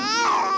udah aja sayang